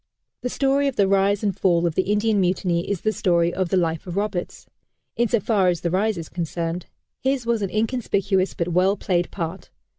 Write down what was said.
The story of the rise and fall of the Indian Mutiny is the story of the life of Roberts in so far as the rise is concerned. His was an inconspicuous but well played part.